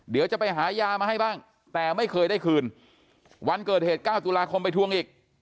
เดี๋ยวจะไปหายามาให้บ้างแต่ไม่เคยได้คืนวันเกิดเหตุ๙ตุลาคมไปทวงอีก